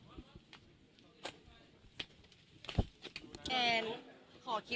สวัสดีทุกคน